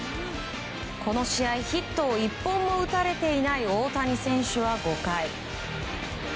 この試合ヒットを１本も打たれていない大谷選手は５回。